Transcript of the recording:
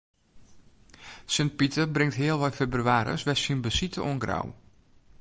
Sint Piter bringt healwei febrewaris wer syn besite oan Grou.